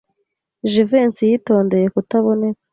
Jivency yitondeye kutaboneka.